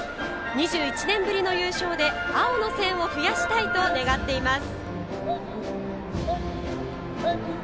２１年ぶりの優勝で、青の線を増やしたいと願っています。